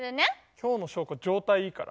今日の祥子状態いいから。